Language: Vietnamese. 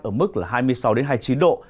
ở mức hai mươi sáu hai mươi chín độ